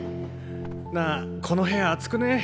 なあこの部屋暑くね？